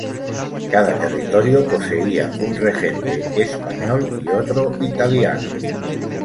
Cada territorio poseía un regente español y otro italiano.